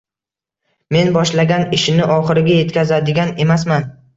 Men boshlagan ishini oxiriga yetkazadigan emasman..